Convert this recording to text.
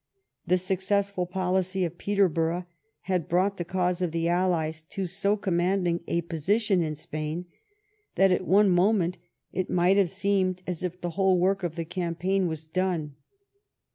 The successful policy of Peterborough had brought the cause of the allies to so commanding a position in Spain that, at one moment, it might have seemed as if the whole work of the campaign was done.